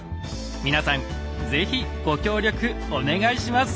皆さん是非ご協力お願いします！